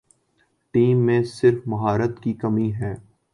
Team میں صرف مہارت کی کمی ہے ۔